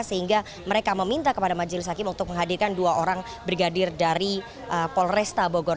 sehingga mereka meminta kepada majelis hakim untuk menghadirkan dua orang brigadir dari polresta bogor